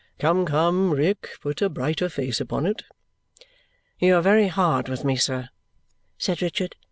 Come, come, Rick, put a brighter face upon it!" "You are very hard with me, sir," said Richard.